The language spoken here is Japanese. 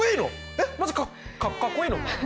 えっマジかかっこいいのかな？